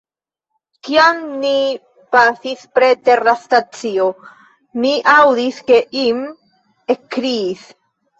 Kiam ni pasis preter la stacio, mi aŭdis, ke Jim ekkriis.